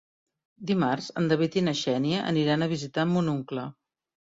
Dimarts en David i na Xènia aniran a visitar mon oncle.